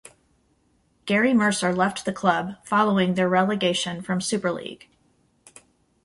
Gary Mercer left the club following their relegation from Super League.